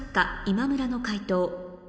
今村の解答